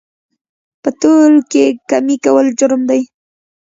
په تول کې کمي کول جرم دی